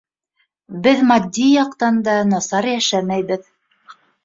Беҙ матди яҡтан да насар йәшәмәйбеҙ.